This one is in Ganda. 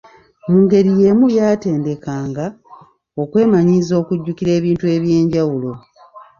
Mu ngeri y'emu byabatendekanga okwemanyiiza okujjukira ebintu eby'enjawulo.